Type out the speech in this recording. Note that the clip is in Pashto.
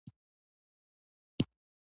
ښتې د افغان کلتور سره تړاو لري.